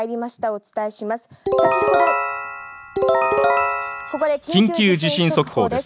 お伝えします。